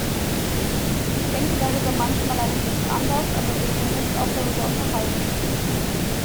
Ich denke darüber manchmal ein wenig anders, aber wir können uns auch darüber unterhalten.